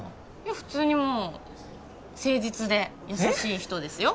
もう普通にもう誠実で優しい人ですよ